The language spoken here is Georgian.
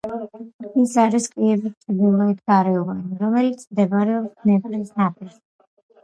ის არის კიევის ჩრდილოეთი გარეუბანი, რომელიც მდებარეობს დნეპრის ნაპირზე.